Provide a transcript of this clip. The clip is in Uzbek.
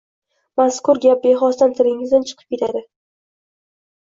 Mazkur gap bexosdan tilingizdan chiqib ketadi.